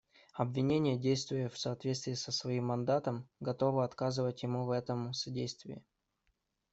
Обвинение, действуя в соответствии со своим мандатом, готово оказывать ему в этом содействие.